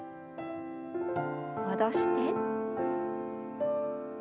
戻して。